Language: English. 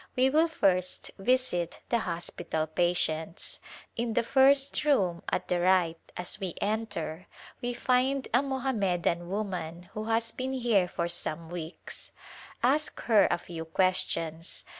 We will first visit the hospital patients. In the first room at the right as we enter we find a Mohammedan [lOO] As M Saw It 'woman who has been here for some weeks. Ask her a few questions.